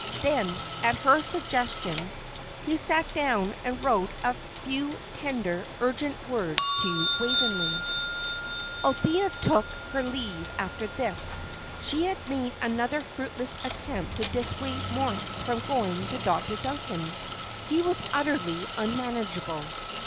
Then, at her suggestion, he sat down and wrote a few tender, urgent words to Waveney. Althea took her leave after this. She had made another fruitless attempt to dissuade Moritz from going to Dr. Duncan; he was utterly unmanageable.